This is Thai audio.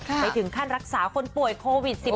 ไปถึงขั้นรักษาคนป่วยโควิด๑๙